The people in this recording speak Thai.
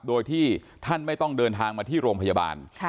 โดยที่ท่านไม่ต้องเดินทางมาที่โรงพยาบาล